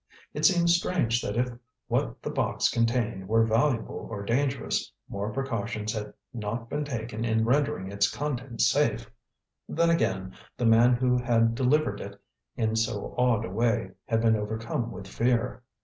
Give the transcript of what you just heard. It seemed strange that if what the box contained were valuable or dangerous more precautions had not been taken in rendering its contents safe. Then, again, the man who had delivered it in so odd a way had been overcome with fear.